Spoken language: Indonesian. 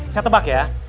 saya tebak ya